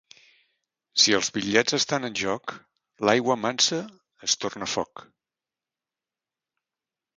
Si els bitllets estan en joc, l'aigua mansa es torna foc.